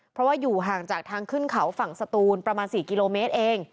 เพราะว่าอยู่ห่างจากทางขึ้นเขาฝั่งสตูนประมาณ๔กิโลเมตรเอง